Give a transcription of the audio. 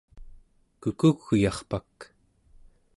Kukugyarpak